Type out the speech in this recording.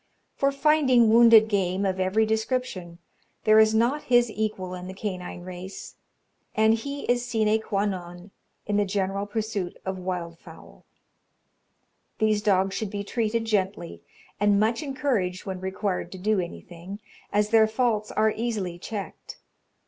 For finding wounded game of every description there is not his equal in the canine race, and he is a sine quâ non in the general pursuit of wildfowl. These dogs should be treated gently, and much encouraged when required to do anything, as their faults are easily checked.